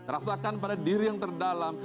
rasakan pada diri yang terdalam